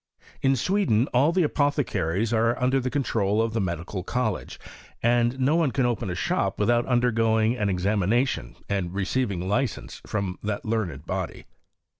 In Sweden all the apothecaries are under the control of the Medical College, and no one can open a shop without undergoing an examination and re ceiving licence from that learned body.